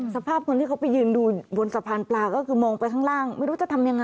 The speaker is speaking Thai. สภาพคนที่เขาไปยืนดูบนสะพานปลาก็คือมองไปข้างล่างไม่รู้จะทำยังไง